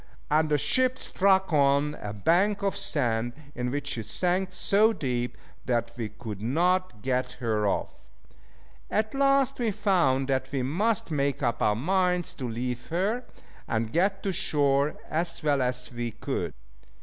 and the ship struck on a bank of sand, in which she sank so deep that we could not get her off. At last we found that we must make up our minds to leave her, and get to shore as well as we could.